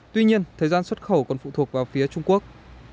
tuy nhiên thời gian xuất khẩu còn phụ thuộc vào phía trung quốc